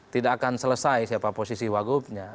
tidak akan selesai siapa posisi wagubnya